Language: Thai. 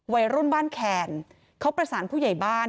วัยรุ่นบ้านแคนเขาประสานผู้ใหญ่บ้าน